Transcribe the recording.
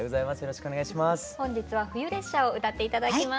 本日は冬列車を歌って頂きます。